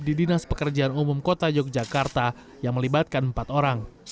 di dinas pekerjaan umum kota yogyakarta yang melibatkan empat orang